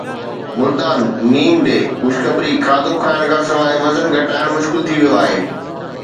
ملتان (م ڊ) خوشخبري کاڌو کائڻ کانسواءِ وزن گھٽائڻ مشڪل ٿي ويو آهي.